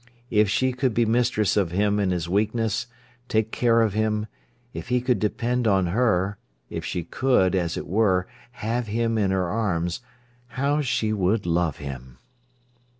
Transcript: If she could be mistress of him in his weakness, take care of him, if he could depend on her, if she could, as it were, have him in her arms, how she would love him!